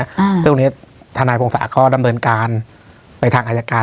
อ้าวตอนนี้ทานายโพงศาเขาดำเนินการไปทางอาจารย์การ